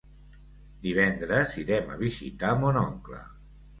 Divendres irem a visitar mon oncle.